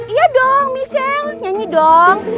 iya dong michelle nyanyi dong